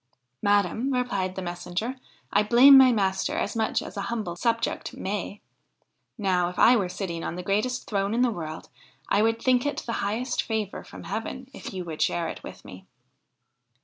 ' Madam,' replied the messenger, ' I blame my master as much as a humble subject may. Now if I were sitting on the greatest throne in the world, I would think it the highest favour from heaven if you would share it with me.'